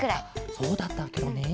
そうだったケロね。